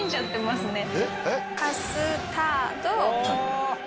「カスタード」。